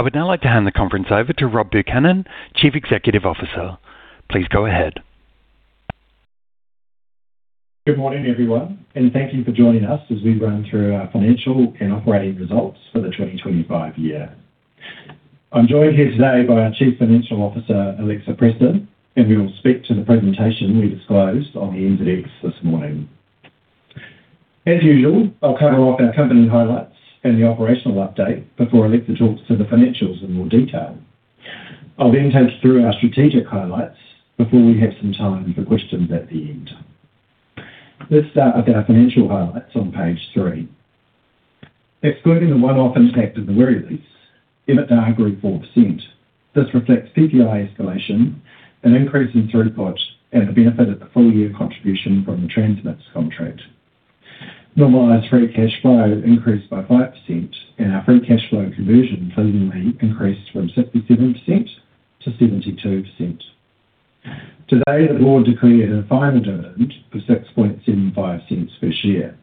I would now like to hand the conference over to Rob Buchanan, Chief Executive Officer. Please go ahead. Good morning, everyone. Thank you for joining us as we run through our financial and operating results for the 2025 year. I'm joined here today by our Chief Financial Officer Alexa Preston, and we will speak to the presentation we disclosed on the NZX this morning. As usual, I'll cover off our company highlights and the operational update before Alexa talks to the financials in more detail. I'll take you through our strategic highlights before we have some time for questions at the end. Let's start with our financial highlights on page three. Excluding the one-off impact of the Wiri lease, EBITDA grew 4%. This reflects CPI escalation, an increase in throughput, and the benefit of the full-year contribution from the Transmix Contract. Normalized free cash flow increased by 5%, and our free cash flow conversion pleasantly increased from 67% -72%. Today, the board declared a final dividend of 0.0675 per share.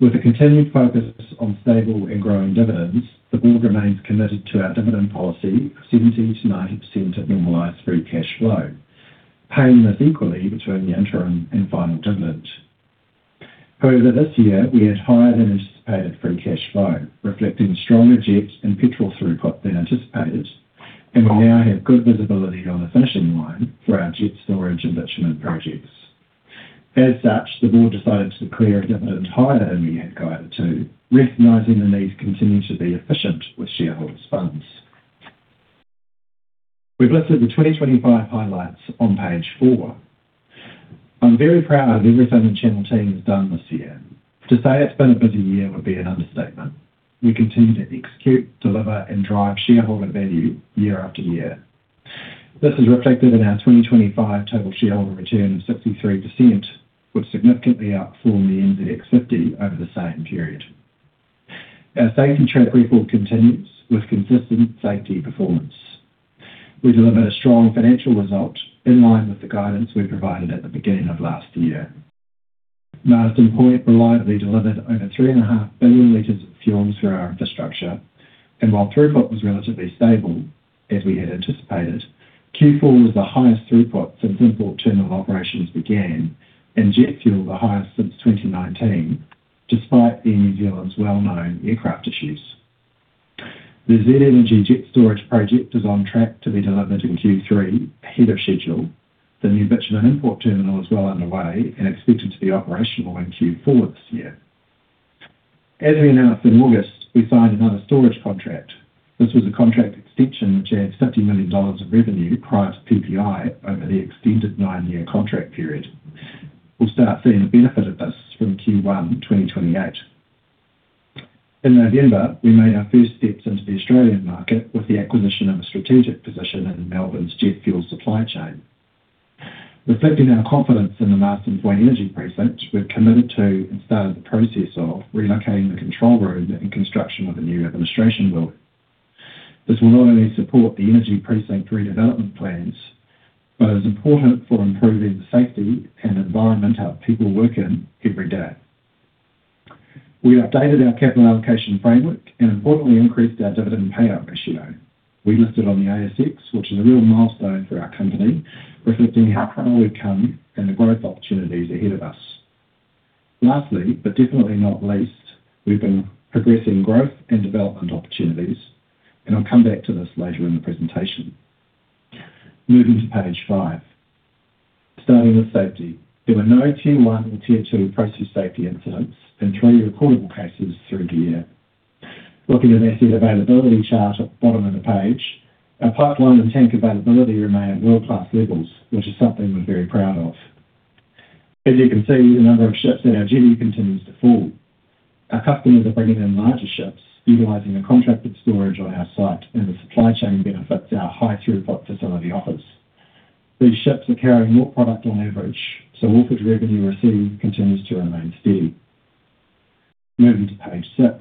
With a continued focus on stable and growing dividends, the board remains committed to our dividend policy of 70%-90% of normalised free cash flow, paying this equally between the interim and final dividend. This year we had higher than anticipated free cash flow, reflecting stronger jet and petrol throughput than anticipated, and we now have good visibility on the finishing line for our jet storage and bitumen projects. The board decided to declare a dividend higher than we had guided to, recognizing the need to continue to be efficient with shareholders' funds. We've listed the 2025 highlights on page four. I'm very proud of everything the Channel team has done this year. To say it's been a busy year would be an understatement. We continue to execute, deliver, and drive shareholder value year after year. This is reflected in our 2025 total shareholder return of 63%, which significantly outperformed the NZX50 over the same period. Our safety track record continues with consistent safety performance. We delivered a strong financial result in line with the guidance we provided at the beginning of last year. Marsden Point reliably delivered over 3.5 billion liters of fuel through our infrastructure, and while throughput was relatively stable, as we had anticipated, Q4 was the highest throughput since import terminal operations began, and jet fuel, the highest since 2019, despite the New Zealand's well-known aircraft issues. The Z Energy Jet Storage project is on track to be delivered in Q3, ahead of schedule. The new bitumen import terminal is well underway and expected to be operational in Q4 this year. As we announced in August, we signed another storage contract. This was a contract extension, which adds NZD 50 million of revenue prior to PPI over the extended 9-year contract period. We'll start seeing the benefit of this from Q1, 2028. In November, we made our first steps into the Australian market with the acquisition of a strategic position in Melbourne's jet fuel supply chain. Reflecting our confidence in the Marsden Point Energy Precinct, we've committed to and started the process of relocating the control room and construction of the new administration building. This will not only support the energy precinct redevelopment plans, but is important for improving the safety and environment our people work in every day. We updated our capital allocation framework and importantly, increased our dividend payout ratio. We listed on the ASX, which is a real milestone for our company, reflecting how far we've come and the growth opportunities ahead of us. Lastly, but definitely not least, we've been progressing growth and development opportunities, and I'll come back to this later in the presentation. Moving to page five. Starting with safety, there were no Tier 1 and Tier 2 process safety incidents and three recordable cases through the year. Looking at the asset availability chart at the bottom of the page, our pipeline and tank availability remain at world-class levels, which is something we're very proud of. As you can see, the number of ships at our jetty continues to fall. Our customers are bringing in larger ships, utilizing the contracted storage on our site, and the supply chain benefits our high throughput facility offers. These ships are carrying more product on average, awkward revenue received continues to remain steady. Moving to page six.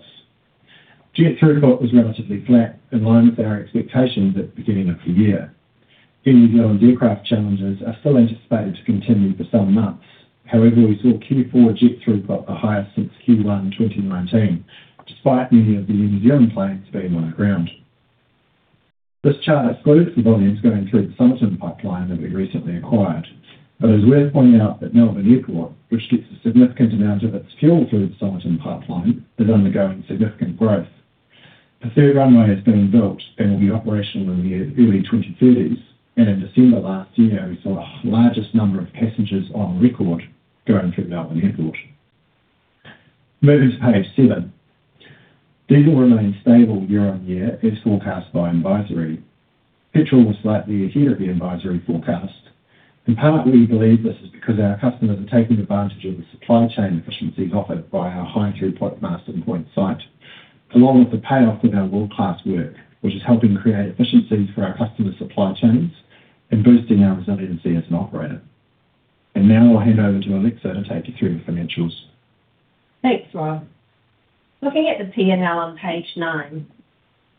Jet throughput was relatively flat, in line with our expectations at the beginning of the year. The New Zealand aircraft challenges are still anticipated to continue for some months. We saw Q4 jet throughput the highest since Q1, 2019, despite many of the New Zealand planes being on the ground. This chart excludes the volumes going through the Somerton Pipeline that we recently acquired. It is worth pointing out that Melbourne Airport, which gets a significant amount of its fuel through the Somerton Pipeline, is undergoing significant growth. The third runway is being built and will be operational in the early 2030s. In December last year, we saw the largest number of passengers on record going through Melbourne Airport. Moving to page seven. Diesel remains stable year on year, as forecast by Envisory. Petrol was slightly ahead of the Envisory forecast. In part, we believe this is because our customers are taking advantage of the supply chain efficiencies offered by our high throughput Marsden Point site, along with the payoff of our world-class work, which is helping create efficiencies for our customer supply chains and boosting our resiliency as an operator. Now I'll hand over to Alexa to take you through the financials. Thanks, Rob. Looking at the P&L on page nine,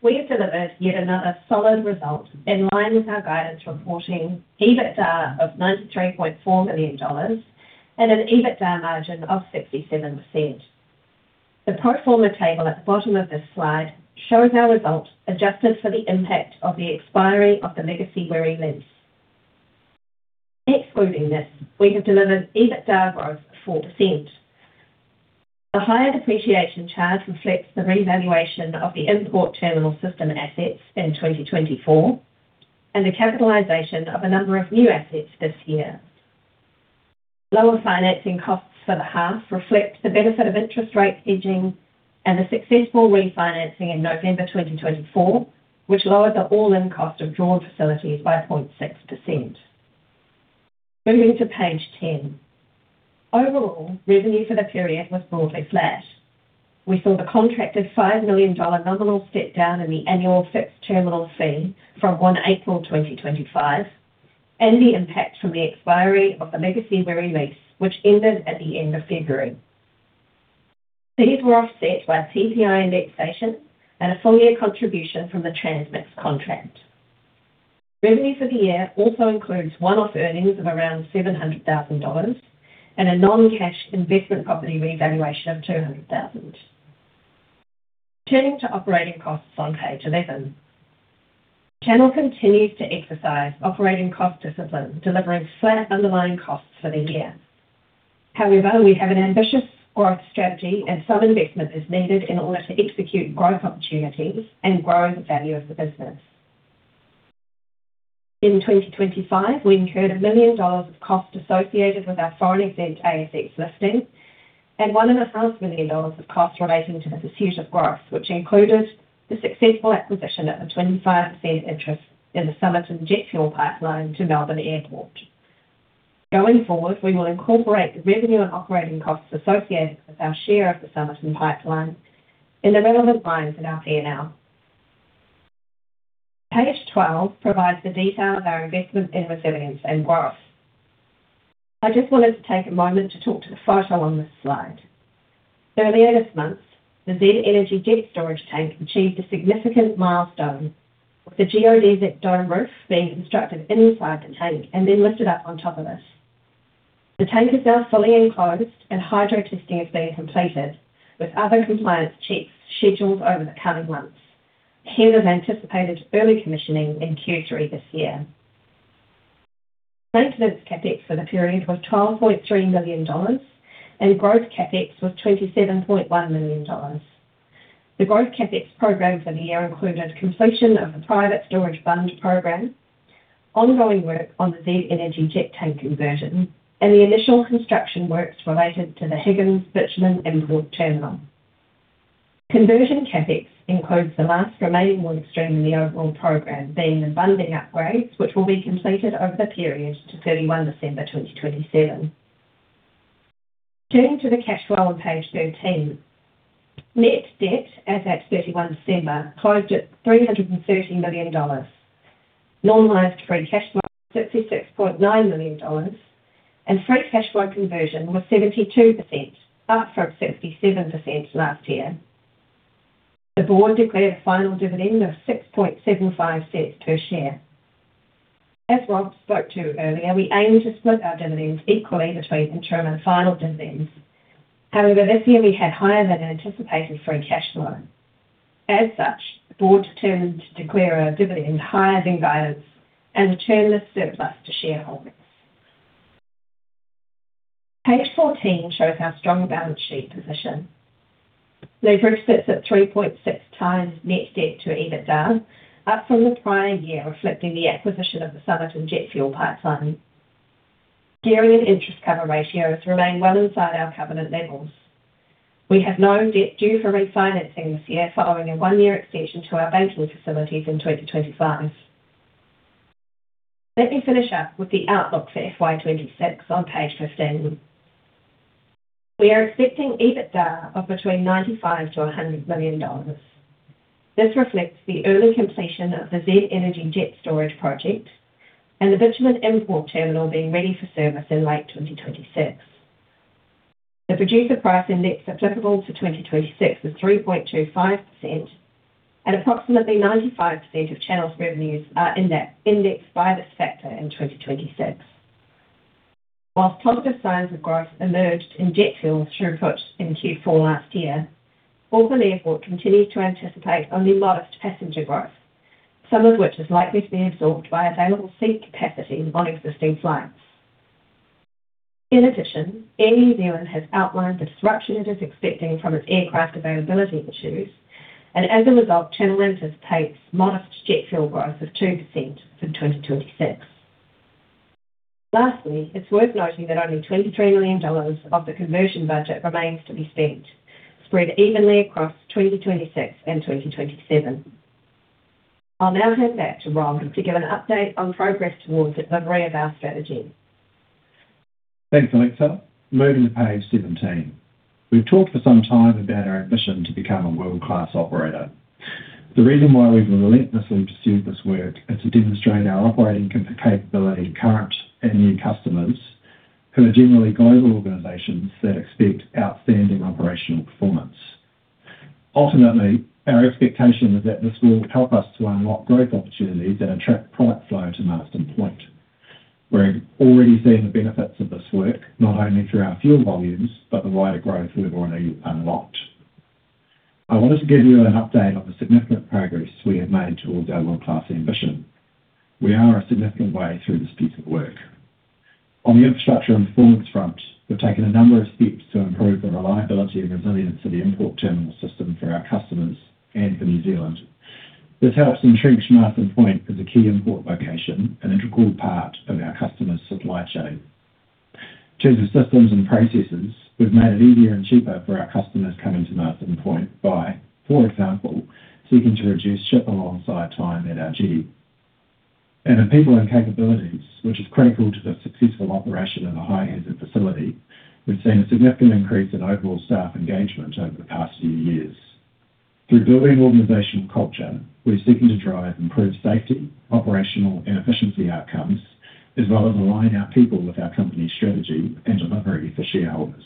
we have delivered yet another solid result in line with our guidance, reporting EBITDA of 93.4 million dollars and an EBITDA margin of 67%. The pro forma table at the bottom of this slide shows our results adjusted for the impact of the expiry of the legacy Wiri lease. Excluding this, we have delivered EBITDA growth of 4%. The higher depreciation charge reflects the revaluation of the import terminal system assets in 2024, and the capitalization of a number of new assets this year. Lower financing costs for the half reflect the benefit of interest rate hedging and the successful refinancing in November 2024, which lowered the all-in cost of drawn facilities by 0.6%. Moving to page 10. Overall, revenue for the period was broadly flat. We saw the contracted $5 million nominal step-down in the annual fixed terminal fee from April 1st, 2025, and the impact from the expiry of the legacy Wiri lease, which ended at the end of February. Fees were offset by CPI indexation and a full-year contribution from the Transmix Contract. Revenue for the year also includes one-off earnings of around $700,000 and a non-cash investment property revaluation of $200,000. Turning to operating costs on page 11. Channel continues to exercise operating cost discipline, delivering flat underlying costs for the year. We have an ambitious growth strategy, and some investment is needed in order to execute growth opportunities and grow the value of the business. In 2025, we incurred 1 million dollars of cost associated with our Foreign Exempt ASX listing, and 1.5 million dollars of cost relating to the pursuit of growth, which included the successful acquisition of a 25% interest in the Somerton jet fuel Pipeline to Melbourne Airport. Going forward, we will incorporate the revenue and operating costs associated with our share of the Somerton Pipeline in the relevant lines in our P&L. Page 12 provides the detail of our investment in resilience and growth. I just wanted to take a moment to talk to the photo on this slide. Earlier this month, the Z Energy jet storage tank achieved a significant milestone, with the geodesic dome roof being constructed inside the tank and then lifted up on top of it. The tank is now fully enclosed, hydro testing is being completed, with other compliance checks scheduled over the coming months. Here is anticipated early commissioning in Q3 this year. Maintenance CapEx for the period was 12.3 million dollars, and growth CapEx was 27.1 million dollars. The growth CapEx program for the year included completion of the private storage bund program, ongoing work on the Z Energy jet tank conversion, and the initial construction works related to the Higgins bitumen import terminal. Conversion CapEx includes the last remaining workstream in the overall program, being the bunding upgrades, which will be completed over the period to December 31st, 2027. Turning to the cash flow on page 13. Net debt as at December 31st closed at NZD 330 million. Normalized free cash flow, NZD 66.9 million, and free cash flow conversion was 72%, up from 67% last year. The board declared a final dividend of 0.0675 per share. As Rob spoke to earlier, we aim to split our dividends equally between interim and final dividends. This year we had higher than anticipated free cash flow. The board determined to declare our dividend higher than guidance and return the surplus to shareholders. Page 14 shows our strong balance sheet position. Leverage sits at 3.6x net debt to EBITDA, up from the prior year, reflecting the acquisition of the Somerton jet fuel pipeline. Gearing and interest cover ratios remain well inside our covenant levels. We have no debt due for refinancing this year, following a one-year extension to our banking facilities in 2025. Let me finish up with the outlook for FY 2026 on page 15. We are expecting EBITDA of between 95 million-100 million dollars. This reflects the early completion of the Z Energy Jet Storage project and the bitumen import terminal being ready for service in late 2026. The Producer Price Index applicable to 2026 is 3.25%, and approximately 95% of Channel's revenues are in that index by this factor in 2026. Positive signs of growth emerged in jet fuel throughput in Q4 last year, Auckland Airport continues to anticipate only modest passenger growth, some of which is likely to be absorbed by available seat capacity on existing flights. In addition, Air New Zealand has outlined the disruption it is expecting from its aircraft availability issues, and as a result, Channel anticipates modest jet fuel growth of 2% in 2026. Lastly, it's worth noting that only $23 million of the conversion budget remains to be spent, spread evenly across 2026 and 2027. I'll now hand back to Rob to give an update on progress towards the delivery of our strategy. Thanks, Alexa. Moving to page 17. We've talked for some time about our ambition to become a world-class operator. The reason why we've relentlessly pursued this work is to demonstrate our operating capability to current and new customers, who are generally global organizations that expect outstanding operational performance. Ultimately, our expectation is that this will help us to unlock growth opportunities and attract product flow to Marsden Point. We're already seeing the benefits of this work, not only through our fuel volumes, but the wider growth we've already unlocked. I wanted to give you an update on the significant progress we have made towards our world-class ambition. We are a significant way through this piece of work. On the infrastructure and performance front, we've taken a number of steps to improve the reliability and resilience of the import terminal system for our customers and for New Zealand. This helps entrench Marsden Point as a key import location, an integral part of our customer's supply chain. In terms of systems and processes, we've made it easier and cheaper for our customers coming to Marsden Point by, for example, seeking to reduce ship alongside time at our jetty. In people and capabilities, which is critical to the successful operation of a high-hazard facility, we've seen a significant increase in overall staff engagement over the past few years. Through building organizational culture, we're seeking to drive improved safety, operational, and efficiency outcomes, as well as align our people with our company's strategy and delivery for shareholders.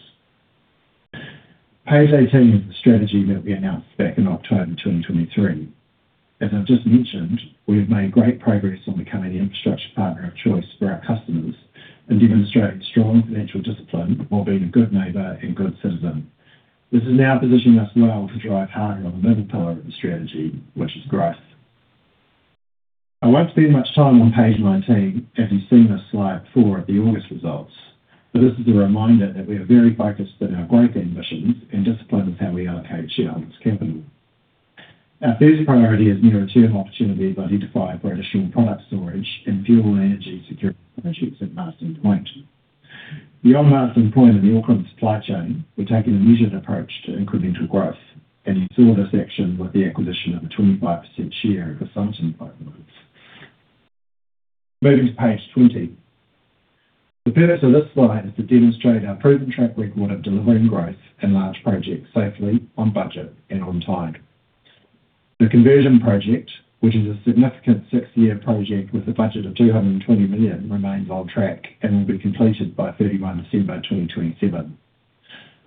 Page 18 is the strategy that we announced back in October 2023. As I've just mentioned, we have made great progress on becoming the infrastructure partner of choice for our customers and demonstrating strong financial discipline while being a good neighbor and good citizen. This is now positioning us well to drive harder on the middle pillar of the strategy, which is growth. I won't spend much time on page 19, as you've seen this slide before at the August results, This is a reminder that we are very focused on our growth ambitions and disciplined with how we allocate shareholders' capital. Our first priority is near-term opportunities identified for additional product storage and fuel energy security initiatives at Marsden Point. Beyond Marsden Point and the Auckland supply chain, we're taking a measured approach to incremental growth and in saw this action with the acquisition of a 25% share in the Somerton Pipeline. Moving to page 20. The purpose of this slide is to demonstrate our proven track record of delivering growth and large projects safely, on budget, and on time. The conversion project, which is a significant six-year project with a budget of 220 million, remains on track and will be completed by December 31st, 2027.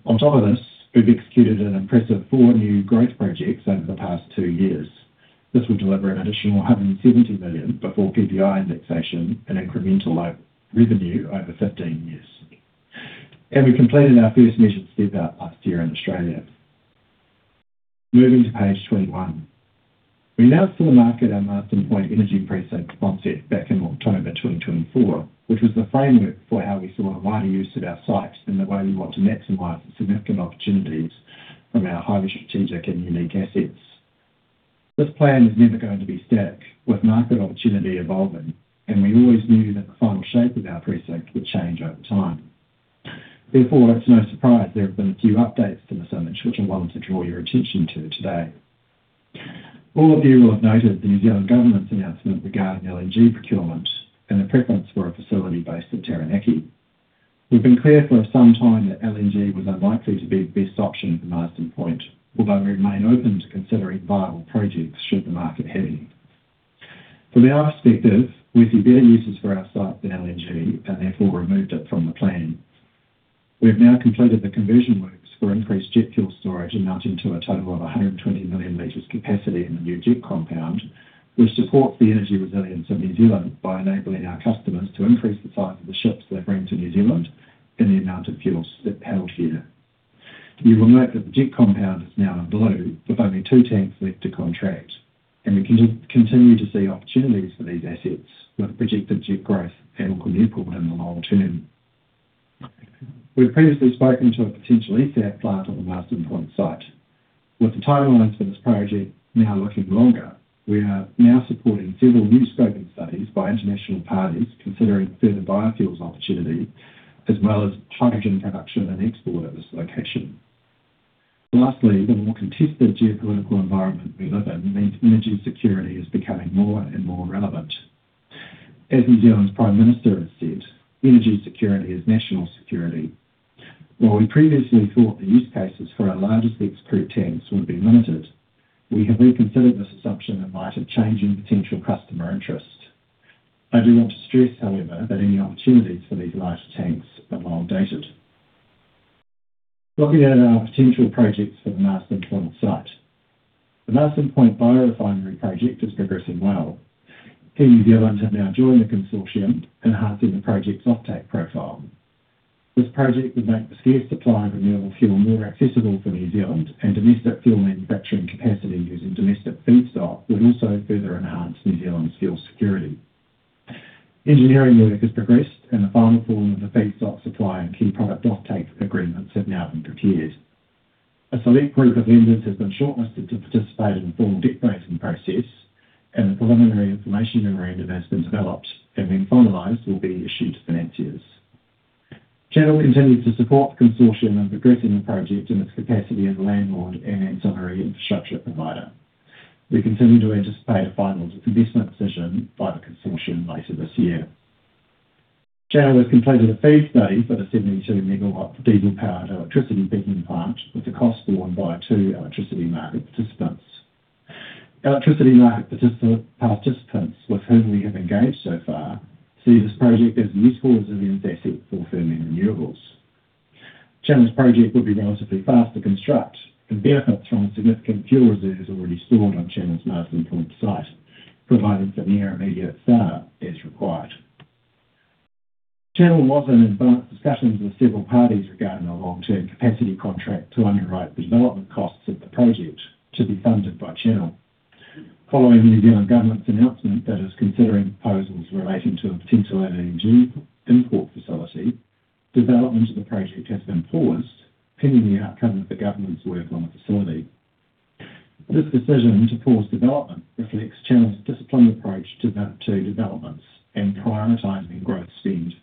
On top of this, we've executed an impressive four new growth projects over the past two years. This will deliver an additional 170 million before PPI indexation and incremental revenue over 15 years. We completed our first measured step-out last year in Australia. Moving to page 21. We announced to the market our Marsden Point Energy Precinct concept back in October 2024, which was the framework for how we saw a wider use of our sites and the way we want to maximize the significant opportunities from our highly strategic and unique assets. This plan is never going to be static, with market opportunity evolving, we always knew that the final shape of our precinct would change over time. Therefore, it's no surprise there have been a few updates to this image, which I wanted to draw your attention to today. All of you will have noted the New Zealand government's announcement regarding LNG procurement and a preference for a facility based in Taranaki. We've been clear for some time that LNG was unlikely to be the best option for Marsden Point, although we remain open to considering viable projects should the market heavy. From our perspective, we see better uses for our site than LNG and therefore removed it from the plan. We have now completed the conversion works for increased jet fuel storage, amounting to a total of 120 million liters capacity in the new jet compound, which supports the energy resilience of New Zealand by enabling our customers to increase the size of the ships they bring to New Zealand and the amount of fuels they hold here. You will note that the jet compound is now in blue, with only two tanks left to contract, and we continue to see opportunities for these assets with projected jet growth and on import in the long term. We've previously spoken to a potential eSAF plant on the Marsden Point site. With the timelines for this project now looking longer, we are now supporting several new scoping studies by international parties considering further biofuels opportunity, as well as hydrogen production and export at this location. Lastly, the more contested geopolitical environment we live in means energy security is becoming more and more relevant. As New Zealand's Prime Minister has said, "Energy security is national security." While we previously thought the use cases for our largest liquid crude tanks would be limited, we have reconsidered this assumption in light of changing potential customer interest. I do want to stress, however, that any opportunities for these larger tanks are long-dated. Looking at our potential projects for the Marsden Point site. The Marsden Point biorefinery project is progressing well. Air New Zealand have now joined the consortium, enhancing the project's offtake profile. This project would make the scarce supply of renewable fuel more accessible for New Zealand, and domestic fuel manufacturing capacity using domestic feedstock will also further enhance New Zealand's fuel security. Engineering work has progressed, and the final form of the feedstock supply and key product offtake agreements have now been prepared. A select group of lenders has been shortlisted to participate in the formal debt rating process, and the Preliminary Information Memorandum has been developed and when finalized, will be issued to financiers. Channel continues to support the consortium in progressing the project in its capacity as a landlord and ancillary infrastructure provider. We continue to anticipate a Final Investment Decision by the consortium later this year. Channel has completed a feed study for the 72 MW diesel-powered electricity peaking plant, with the cost borne by two electricity market participants. Electricity market participants with whom we have engaged so far, see this project as a useful and resilient asset for firming renewables. Channel's project will be relatively fast to construct and benefits from significant fuel reserves already stored on Channel's Marsden Point site, providing for near immediate start as required. Channel was in advanced discussions with several parties regarding a long-term capacity contract to underwrite the development costs of the project, to be funded by Channel. Following the New Zealand government's announcement that it's considering proposals relating to a potential LNG import facility, development of the project has been paused pending the outcome of the government's work on the facility. This decision to pause development reflects Channel's disciplined approach to developments and prioritizing growth spend.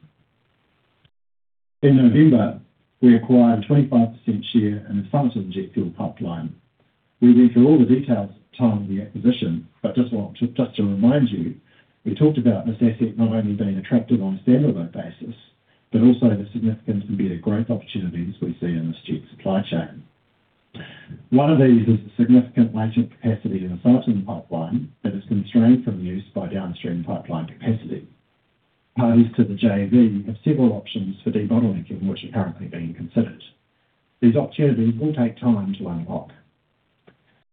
In November, we acquired a 25% share in the Fulton Jet Fuel Pipeline. We went through all the details at the time of the acquisition, but just want to remind you, we talked about this asset not only being attractive on a stand-alone basis, but also the significant and better growth opportunities we see in the street supply chain. One of these is the significant latent capacity in the Fulton pipeline that is constrained from use by downstream pipeline capacity. Parties to the JV have several options for debottlenecking, which are currently being considered. These opportunities will take time to unlock.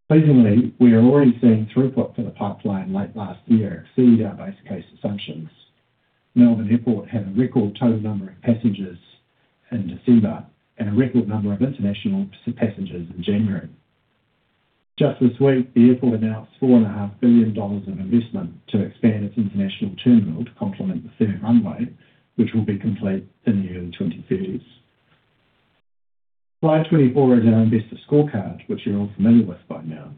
Pleasingly, we are already seeing throughput for the pipeline late last year exceed our base case assumptions. Melbourne Airport had a record total number of passengers in December and a record number of international passengers in January. Just this week, the airport announced 4 and a half billion in investment to expand its international terminal to complement the third runway, which will be complete in the early 2030s. Slide 24 is our investor scorecard, which you're all familiar with by now.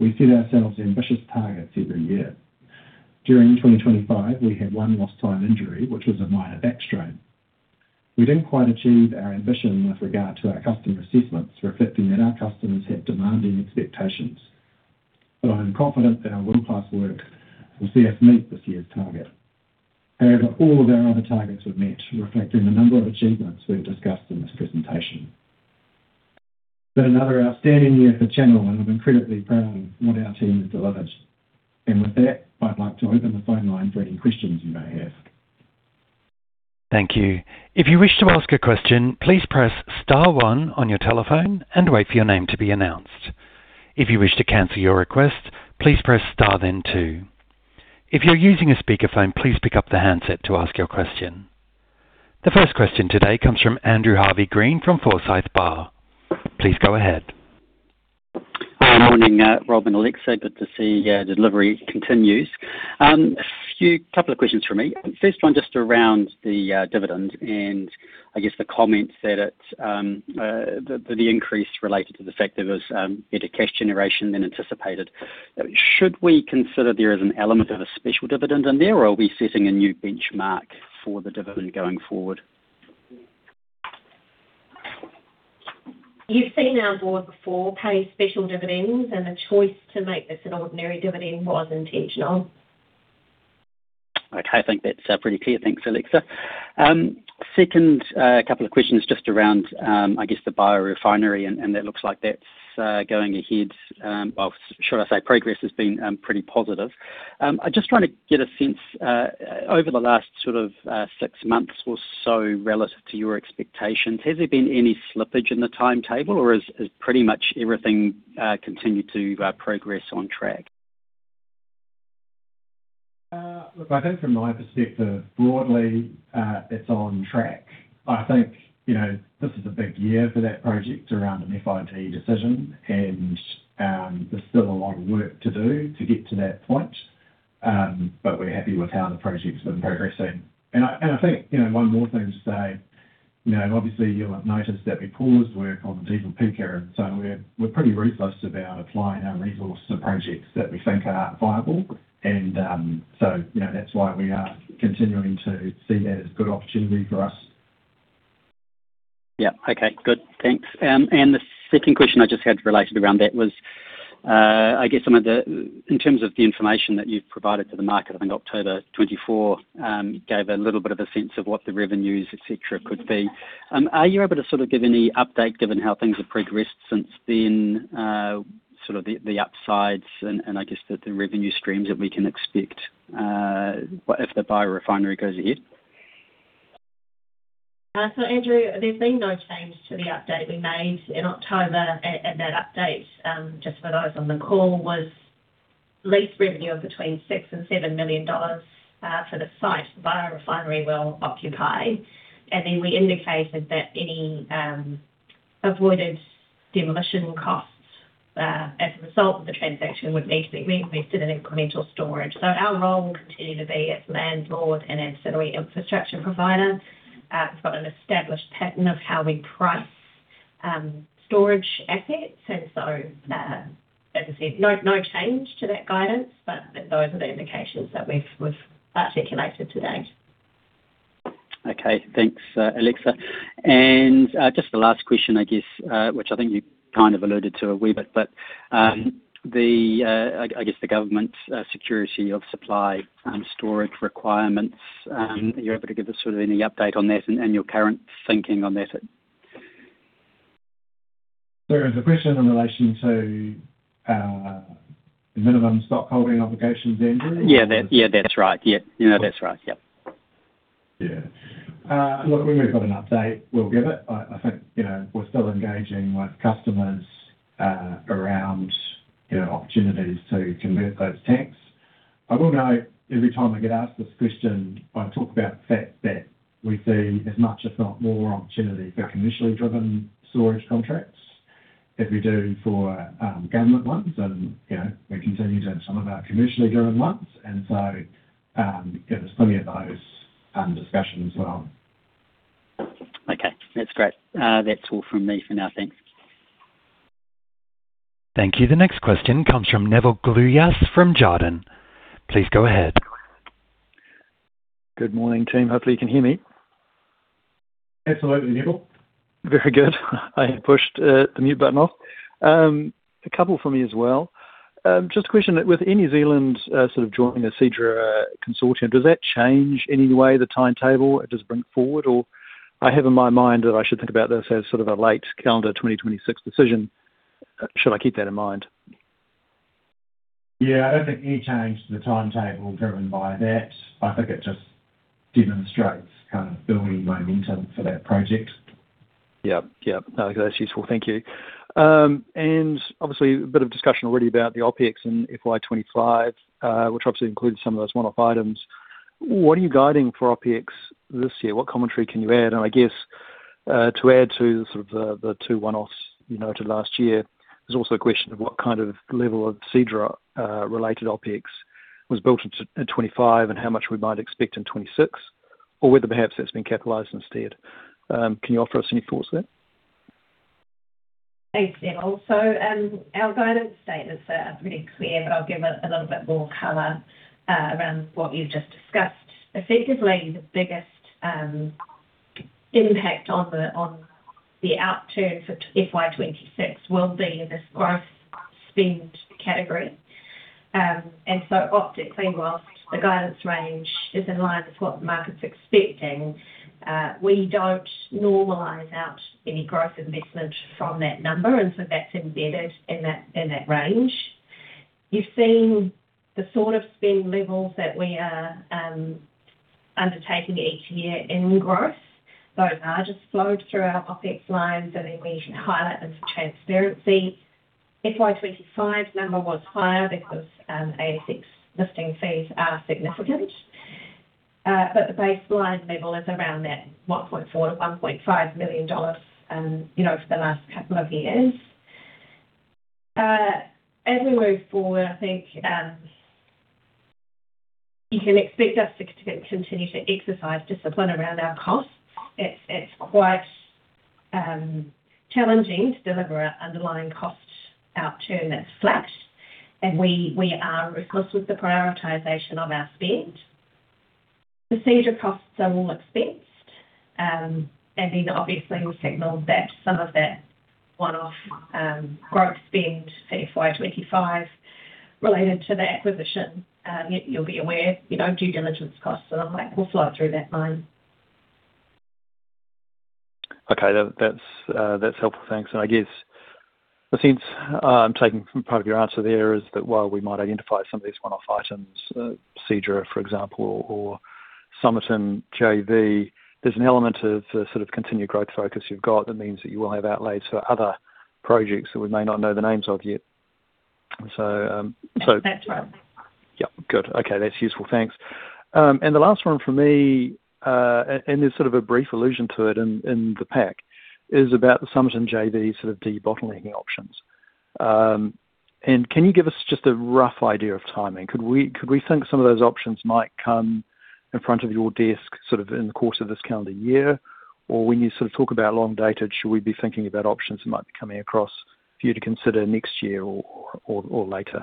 We set ourselves ambitious targets every year. During 2025, we had 1 lost time injury, which was a minor back strain. We didn't quite achieve our ambition with regard to our customer assessments, reflecting that our customers have demanding expectations. I'm confident that our world-class work will see us meet this year's target. All of our other targets were met, reflecting the number of achievements we've discussed in this presentation. Another outstanding year for Channel, and I'm incredibly proud of what our team has delivered. With that, I'd like to open the phone lines for any questions you may have. Thank you. If you wish to ask a question, please press star one on your telephone and wait for your name to be announced. If you wish to cancel your request, please press star, then two. If you're using a speakerphone, please pick up the handset to ask your question. The first question today comes from Andrew Harvey-Green from Forsyth Barr. Please go ahead. Good morning, Rob and Alexa. Good to see delivery continues. A few couple of questions for me. First one, just around the dividend, and I guess the comments that it's the increase related to the fact that there was better cash generation than anticipated. Should we consider there is an element of a special dividend in there, or are we setting a new benchmark for the dividend going forward? You've seen our board before pay special dividends, and the choice to make this an ordinary dividend was intentional. Okay, I think that's pretty clear. Thanks, Alexa. Second, couple of questions just around, I guess, the biorefinery, and that looks like that's going ahead. Should I say progress has been pretty positive. I just trying to get a sense over the last sort of six months or so, relative to your expectations, has there been any slippage in the timetable, or has pretty much everything continued to progress on track? Look, I think from my perspective, broadly, it's on track. I think, you know, this is a big year for that project around an FID decision. There's still a lot of work to do to get to that point, but we're happy with how the project's been progressing. I think, you know, one more thing to say, you know, obviously, you'll have noticed that we paused work on GPL Kauri, so we're pretty ruthless about applying our resources to projects that we think are viable. You know, that's why we are continuing to see that as a good opportunity for us. Yeah. Okay, good. Thanks. The second question I just had related around that was, I guess in terms of the information that you've provided to the market, I think October 24, gave a little bit of a sense of what the revenues, et cetera, could be. Are you able to sort of give any update, given how things have progressed since then, sort of the upsides and I guess the revenue streams that we can expect, if the biorefinery goes ahead? Andrew, there's been no change to the update we made in October, and that update, just for those on the call, was lease revenue of between $6 million and $7 million for the site biorefinery well occupied. We indicated that any avoided demolition costs, as a result of the transaction, would be invested in incremental storage. Our role will continue to be as landlord and ancillary infrastructure provider. We've got an established pattern of how we price storage assets, as I said, no change to that guidance, but those are the indications that we've circulated to date. Okay, thanks, Alexa. Just the last question, I guess, which I think you kind of alluded to a wee bit, but, I guess the government's security of supply storage requirements, are you able to give us sort of any update on that and your current thinking on that at all? Is the question in relation to, minimum stockholding obligations, Andrew? Yeah, that's right. Yep. Yeah. Look, when we've got an update, we'll give it. I think, you know, we're still engaging with customers around, you know, opportunities to convert those tanks. I will know every time I get asked this question, I talk about the fact that we see as much, if not more, opportunity for commercially driven storage contracts as we do for government ones. You know, we continue to have some of our commercially driven ones, and so, there's plenty of those discussions as well. Okay, that's great. That's all from me for now. Thanks. Thank you. The next question comes from Nevill Gluyas from Jarden. Please go ahead. Good morning, team. Hopefully, you can hear me. Absolutely, Nevill. Very good. I had pushed the mute button off. A couple for me as well. Just a question, with Air New Zealand sort of joining the Seadra consortium, does that change any way the timetable, or does it bring it forward? I have in my mind that I should think about this as sort of a late calendar 2026 decision. Should I keep that in mind? I don't think any change to the timetable driven by that. I think it just demonstrates kind of building momentum for that project. Yep, yep. No, that's useful. Thank you. Obviously, a bit of discussion already about the OpEx in FY 2025, which obviously includes some of those one-off items. What are you guiding for OpEx this year? What commentary can you add? I guess, to add to sort of the two one-offs you noted last year, there's also a question of what kind of level of Seadra related OpEx was built into, in 2025 and how much we might expect in 2026, or whether perhaps that's been capitalized instead. Can you offer us any thoughts there? Thanks, Nevill. Our guidance status is pretty clear, but I'll give a little bit more color around what you've just discussed. Effectively, the biggest impact on the outturn for FY2026 will be in this growth spend category. Optically, whilst the guidance range is in line with what the market's expecting, we don't normalize out any growth investment from that number, and so that's embedded in that range. You've seen the sort of spend levels that we are undertaking each year in growth. Those are just flowed through our OpEx lines, and then we highlight them for transparency. FY2025 number was higher because ASX listing fees are significant, but the baseline level is around that 1.4 million-1.5 million dollars, you know, for the last couple of years. As we move forward, I think, you can expect us to continue to exercise discipline around our costs. It's quite challenging to deliver an underlying cost outturn that's flat, and we are ruthless with the prioritization of our spend. TheSeadra costs are all expensed, and then obviously, we've signaled that some of that one-off growth spend for FY25 related to the acquisition, you'll be aware, you know, due diligence costs and the like will flow through that line. Okay, that's helpful, thanks. I guess the sense I'm taking from part of your answer there is that while we might identify some of these one-off items, Seadra, for example, or Somerton JV, there's an element of sort of continued growth focus you've got, that means that you will have outlays for other projects that we may not know the names of yet. That's right. Yep, good. Okay, that's useful. Thanks. The last one from me, there's sort of a brief allusion to it in the pack, is about the Somerton JV, sort of debottlenecking options. Can you give us just a rough idea of timing? Could we think some of those options might come in front of your desk, sort of in the course of this calendar year? When you sort of talk about long dated, should we be thinking about options that might be coming across for you to consider next year or later?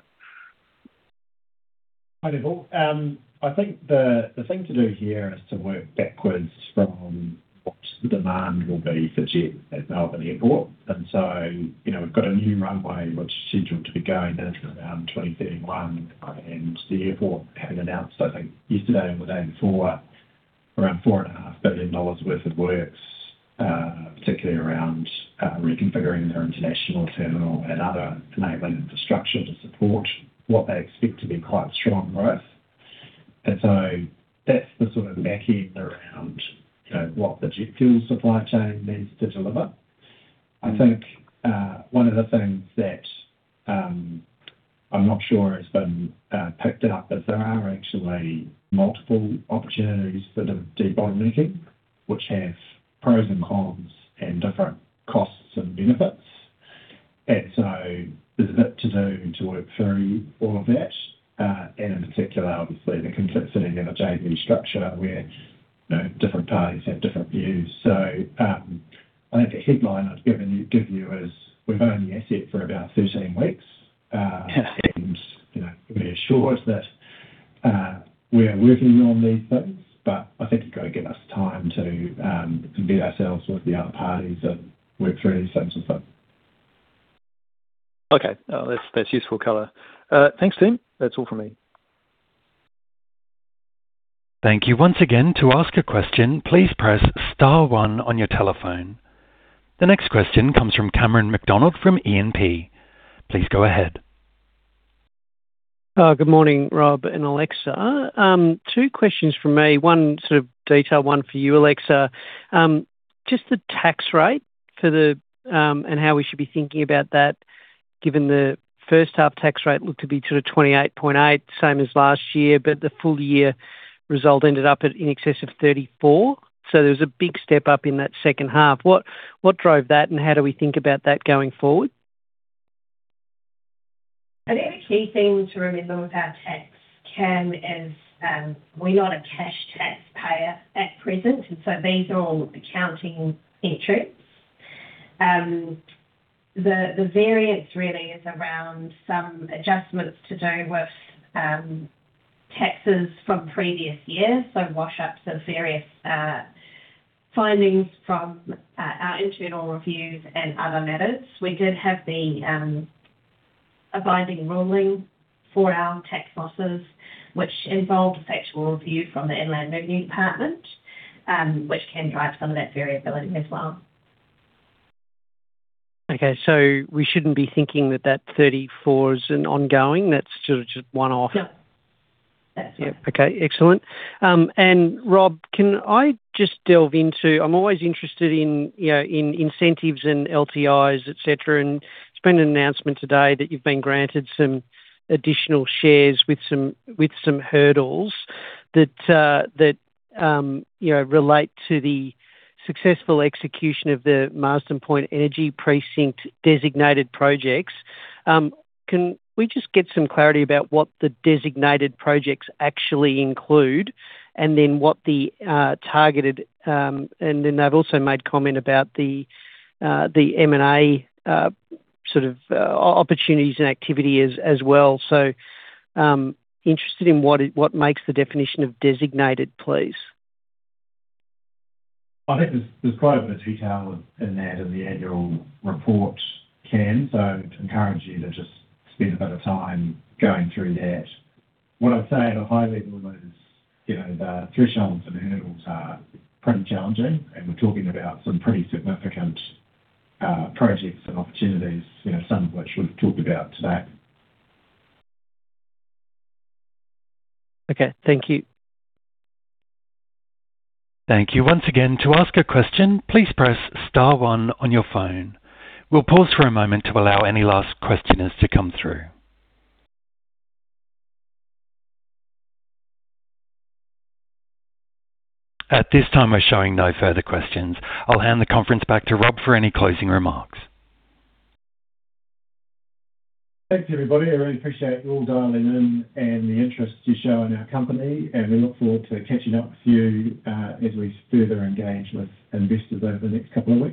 Hi, Nevill. I think the thing to do here is to work backwards from what the demand will be for jet at Melbourne Airport. We've got a new runway, which is scheduled to be going into around 2031. The airport having announced, I think yesterday, we're aiming for around 4.5 billion dollars worth of works, particularly around reconfiguring their international terminal and other enabling infrastructure to support what they expect to be quite strong growth. That's the sort of back end around, you know, what the jet fuel supply chain needs to deliver. I think one of the things that I'm not sure has been picked up, is there are actually multiple opportunities for the debottlenecking, which have pros and cons and different costs and benefits. There's a bit to do to work through all of that, and in particular, obviously, the complexity of a JV structure where, you know, different parties have different views. I think the headline I've given you is we've owned the asset for about 13 weeks. Yeah. You know, we assure that we are working on these things, but I think you've got to give us time to convert ourselves with the other parties and work through these things as well. Okay. That's useful color. Thanks, team. That's all from me. Thank you once again. To ask a question, please press star one on your telephone. The next question comes from Cameron McDonald, from E&P. Please go ahead. Good morning, Rob and Alexa. Two questions from me. One sort of detail, one for you, Alexa. Just the tax rate for the, and how we should be thinking about that, given the H1 tax rate looked to be to the 28.8%, same as last year, but the full year result ended up at in excess of 34%. There was a big step up in that H2. What drove that, and how do we think about that going forward? I think a key thing to remember with our tax, Cam, is, we're not a cash taxpayer at present, and so these are all accounting entries. The variance really is around some adjustments to do with taxes from previous years, so wash up some various findings from our internal reviews and other matters. We did have the binding ruling for our tax losses, which involved a factual review from the Inland Revenue Department, which can drive some of that variability as well. Okay, we shouldn't be thinking that that 34 is an ongoing, that's just a one-off? Yep. Yeah. Okay, excellent. Rob, can I just delve into. I'm always interested in, you know, in incentives and LTIs, et cetera, and there's been an announcement today that you've been granted some additional shares with some hurdles that, you know, relate to the successful execution of the Marsden Point Energy Precinct designated projects. Can we just get some clarity about what the designated projects actually include and then what the targeted, and then they've also made comment about the M&A sort of opportunities and activity as well. Interested in what makes the definition of designated, please? I think there's quite a bit of detail in that, in the annual report, Cam. I encourage you to just spend a bit of time going through that. What I'd say at a high level is, you know, the thresholds and hurdles are pretty challenging. We're talking about some pretty significant projects and opportunities, you know, some of which we've talked about today. Okay, thank you. Thank you. Once again, to ask a question, please press star one on your phone. We'll pause for a moment to allow any last questioners to come through. At this time, we're showing no further questions. I'll hand the conference back to Rob for any closing remarks. Thanks, everybody. I really appreciate you all dialing in and the interest you show in our company. We look forward to catching up with you, as we further engage with investors over the next couple of weeks.